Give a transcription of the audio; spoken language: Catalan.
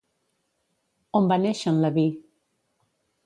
On va néixer en Leví?